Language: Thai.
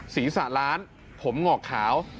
ศีรษะล้านผมหงอกขาว